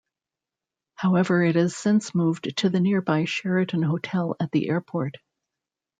However, it has since moved to the nearby Sheraton Hotel at the airport.